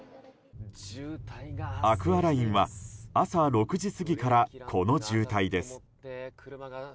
アクアラインは朝６時過ぎから、この渋滞です。